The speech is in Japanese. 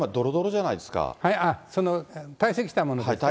その、堆積したものですか？